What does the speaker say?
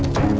gak mau kali